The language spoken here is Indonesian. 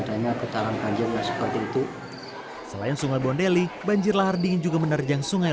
adanya getaran banjir seperti itu selain sungai bondeli banjir lahar dingin juga menerjang sungai